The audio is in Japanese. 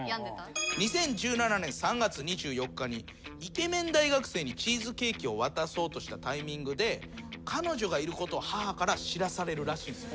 ２０１７年３月２４日にイケメン大学生にチーズケーキを渡そうとしたタイミングで彼女がいることを母から知らされるらしいんです。